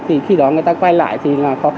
thì khi đó người ta quay lại thì